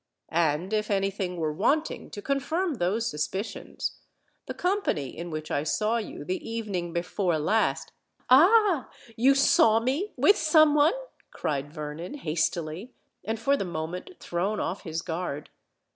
And, if any thing were wanting to confirm those suspicions, the company in which I saw you the evening before last——" "Ah! you saw me—with some one?" cried Vernon, hastily, and for the moment thrown off his guard.